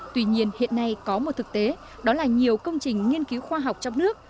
tuy nhiên hiện nay có một thực tế đó là nhiều công trình nghiên cứu khoa học trong nước